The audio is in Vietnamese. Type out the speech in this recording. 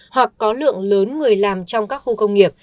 hoặc có lượng lớn người làm trong các khu công nghiệp